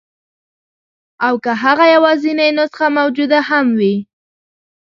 او که هغه یوازنۍ نسخه موجوده هم وي.